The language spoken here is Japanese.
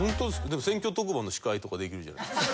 でも選挙特番の司会とかできるじゃないですか。